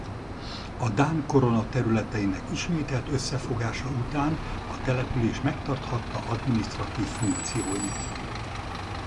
A dán korona területeinek ismételt összefogása után a település megtarthatta adminisztratív funkcióit.